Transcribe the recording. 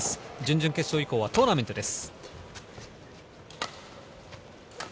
準々決勝以降はトーナメントです。